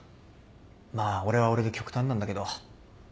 まあ俺は俺で極端なんだけど。